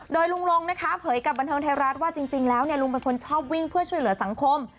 โดยลุงลงนะคะเผยกับบันเทิงไทยรัฐว่าจริงแล้วลุงเป็นคนชอบวิ่งเพื่อช่วยเหลือสังคม